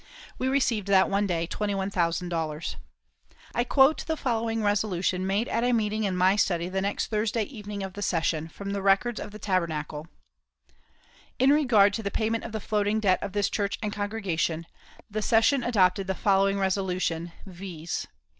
We received that one day $21,000. I quote the following resolution made at a meeting in my study the next Thursday evening of the Session, from the records of the Tabernacle: "In regard to the payment of the floating debt of this church and congregation, the Session adopted the following resolution, viz.